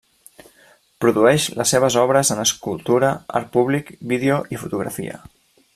Produeix les seves obres en escultura, art públic, vídeo i fotografia.